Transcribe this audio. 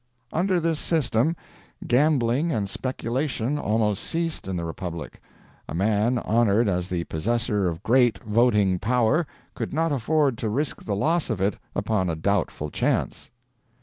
Under this system, gambling and speculation almost ceased in the republic. A man honoured as the possessor of great voting power could not afford to risk the loss of it upon a doubtful chance.